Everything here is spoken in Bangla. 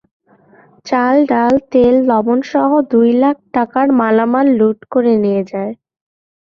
চাল, ডাল, তেল, লবণসহ দুই লাখ টাকার মালামাল লুট করে নিয়ে যায়।